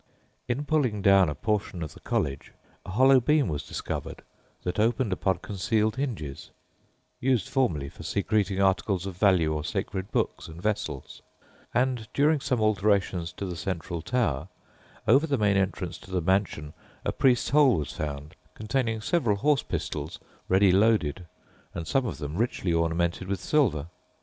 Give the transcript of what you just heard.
In pulling down a portion of the college, a hollow beam was discovered that opened upon concealed hinges, used formerly for secreting articles of value or sacred books and vessels; and during some alterations to the central tower, over the main entrance to the mansion, a "priest's hole" was found, containing seven horse pistols, ready loaded and some of them richly ornamented with silver.